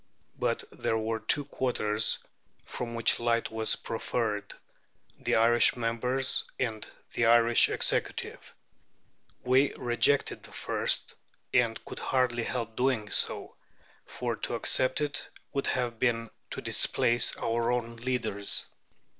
But there were two quarters from which light was proffered, the Irish members and the Irish Executive. We rejected the first, and could hardly help doing so, for to accept it would have been to displace our own leaders.